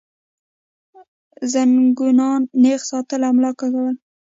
زنګونان نېغ ساتل او ملا کږول